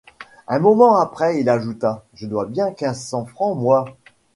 Un moment après il ajouta: — Je dois bien quinze cents francs, moi!